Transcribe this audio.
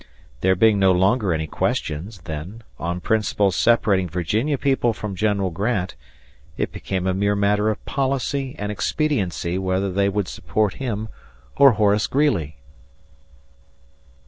There being no longer any questions, then, on principles separating Virginia people from General Grant, it became a mere matter of policy and expediency whether they would support him or Horace Greeley.